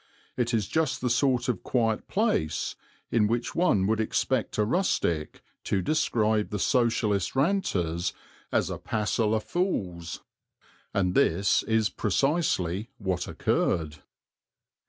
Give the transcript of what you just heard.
It is just the sort of quiet place in which one would expect a rustic to describe the Socialist ranters as "a passel o' fools"; and this is precisely what occurred.